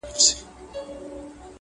نه د جنډۍ په ننګولو د بابا سمېږي!